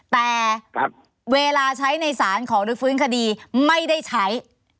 แต่เวลาใช้ในสารขอรื้อฟื้นคดีไม่ได้ใช้